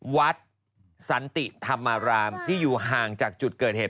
วัดสันติธรรมารามที่อยู่ห่างจากจุดเกิดเหตุ